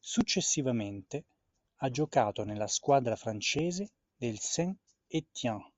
Successivamente ha giocato nella squadra francese del Sain Etienne.